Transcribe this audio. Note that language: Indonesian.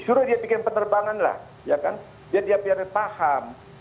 suruh dia bikin penerbangan lah ya kan biar dia paham